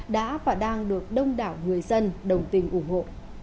đã và đang được đông đảo người dân đồng tình ủng hộ